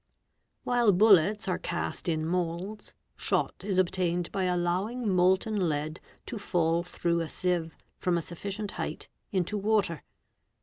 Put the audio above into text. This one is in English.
|\ While bullets are cast in moulds, shot is obtained by allowing molten lead to fall through a sieve, from a sufficient height, into water.